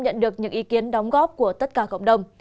nhận được những ý kiến đóng góp của tất cả cộng đồng